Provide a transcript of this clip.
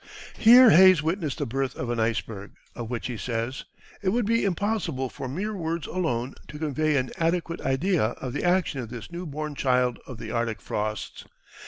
Here Hayes witnessed the birth of an iceberg, of which he says: "It would be impossible for mere words alone to convey an adequate idea of the action of this new born child of the Arctic frosts.